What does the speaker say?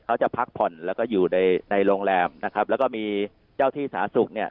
เขาจะพักผ่อนแล้วก็อยู่ในในโรงแรมนะครับแล้วก็มีเจ้าที่สาธารณสุขเนี่ย